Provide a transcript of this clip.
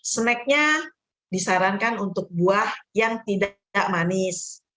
snacknya disarankan untuk buah yang tidak manis